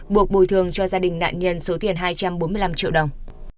buộc bồi thường cho gia đình nạn nhân số tiền hai trăm bốn mươi năm triệu đồng